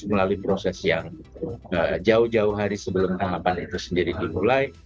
melalui proses yang jauh jauh hari sebelum tahapan itu sendiri dimulai